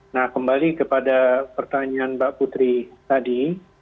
nah kembali kepada pertanyaan mbak putri tadi